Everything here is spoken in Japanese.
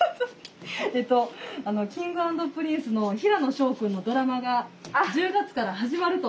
えっとあのＫｉｎｇ＆Ｐｒｉｎｃｅの平野紫耀くんのドラマが１０月から始まると。